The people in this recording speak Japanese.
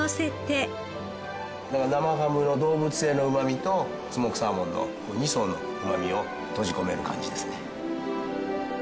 生ハムの動物性のうまみとスモークサーモンの２層のうまみを閉じ込める感じですね。